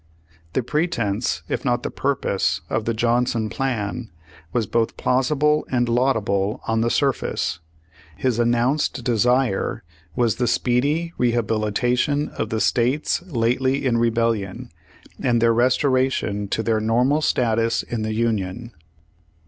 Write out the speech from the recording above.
The pretense if not the purpose of the Johnson Page One Hundred fifty five Page One Hundred fifty six plan was both plausible and laudable on the sur face. His announced desire was the speedy re habilitation of the states lately in rebellion, and their restoration to their normal status in the Union.